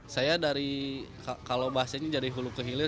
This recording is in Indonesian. saya dari kalau bahasanya dari hulu ke hilir